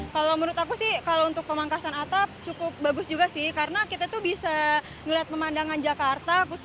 kalau menurut aku sih kalau untuk pemangkasan atap cukup bagus juga sih karena kita tuh bisa melihat pemandangan jakarta